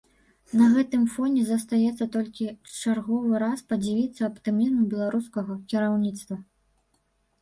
На гэтым фоне застаецца толькі чарговы раз падзівіцца аптымізму беларускага кіраўніцтва.